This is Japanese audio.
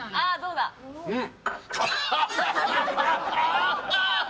うん！